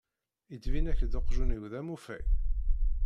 Yettbin-ak-d uqjun-iw d amufay?